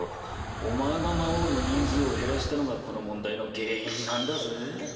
お前が魔王の人数を減らしたのがこの問題の原因なんだぜ？